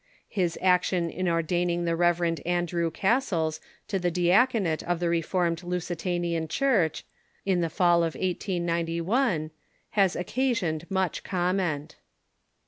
His action in ordaining the Rev. Andrew Cassels to the diaconate of the Reformed Lusitanian Church, in the fall of 1891, has occasioned much comment.